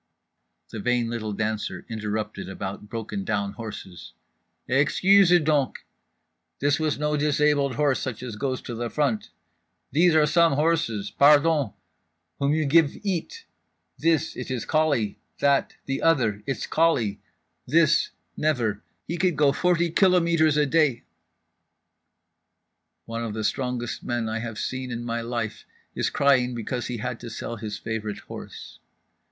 _"… The vain little dancer interrupted about "broken down horses" … "Excuses donc—this was no disabled horse, such as goes to the front—these are some horses—pardon, whom you give eat, this, it is colique, that, the other, it's colique—this never—he could go forty kilometres a day…." One of the strongest men I have seen in my life is crying because he has had to sell his favourite horse.